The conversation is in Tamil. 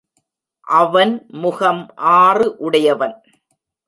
அவன் முகம் ஆறு உடையவன்.